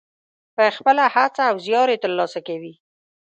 په خپله هڅه او زیار یې ترلاسه کوي.